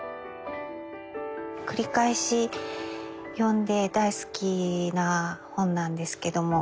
繰り返し読んで大好きな本なんですけども。